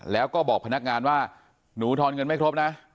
แล้วก็บอกพนักงานว่าหนูทอนเงินไม่ครบนะ